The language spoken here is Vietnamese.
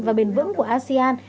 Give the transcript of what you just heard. và bền vững của asean